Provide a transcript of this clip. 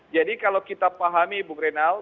jadi kalau kita pahami ibu grenal